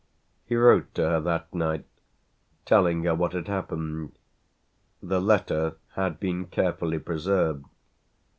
He wrote to her that night, telling her what had happened; the letter had been carefully preserved.